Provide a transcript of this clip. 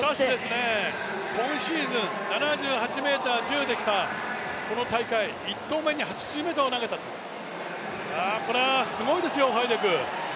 今シーズン７０ｍ１８できたこの大会、１投目に８０ｍを投げた、これはすごいですよ、ファイデク。